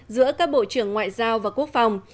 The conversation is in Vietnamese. giữa các bộ trưởng ngoại giao và quốc phòng